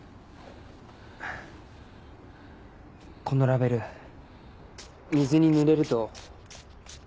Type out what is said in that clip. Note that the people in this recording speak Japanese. このラベル水にぬれると。